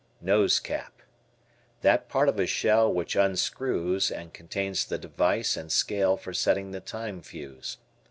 Nosecap. That part of a shell which unscrews and contains the device and scale for setting the time fuse.